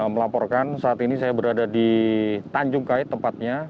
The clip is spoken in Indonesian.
melaporkan saat ini saya berada di tanjung kait tempatnya